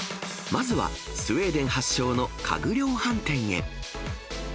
まずはスウェーデン発祥の家具量販店へ。